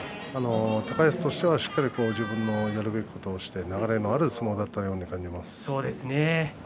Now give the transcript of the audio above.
高安としては、しっかりと自分のやるべきことをして流れのある相撲だったような感じがします。